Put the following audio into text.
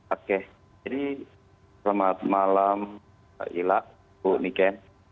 oke jadi selamat malam ila bu niken